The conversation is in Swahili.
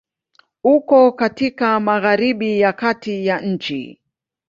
Uko katika Magharibi ya kati ya nchi.